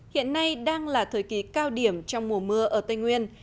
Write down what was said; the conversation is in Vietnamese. hiện nay đang là thời kỳ cao điểm trong mùa mưa ở tây nguyên